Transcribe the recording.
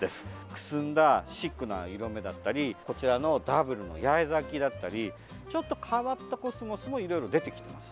くすんだシックな色目だったりダブルの八重咲きだったりちょっと変わったコスモスもいろいろ出てきています。